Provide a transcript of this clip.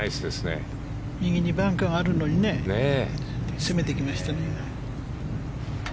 右にバンカーがあるのにね攻めていきましたね。